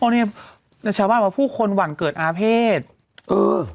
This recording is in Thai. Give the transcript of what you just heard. อ้อเนี่ยแต่ชาวบ้านว่าผู้คนหวั่นเกิดอาเภศเออ